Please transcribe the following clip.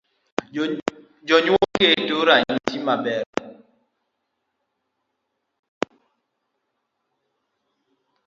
Jonyuol keto ranyisi maber.